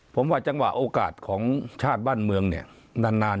ผมว่าจังหวะโอกาสของชาติบ้านเมืองเนี่ยนาน